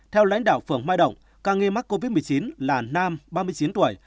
theo lãnh đạo phường mai động ca nghi mắc covid một mươi chín là nam ba mươi chín tuổi